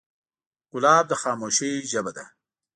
ګلاب د خاموشۍ ژبه ده.